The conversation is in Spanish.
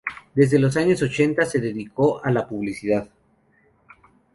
Desde los años ochenta, se dedicó a la publicidad.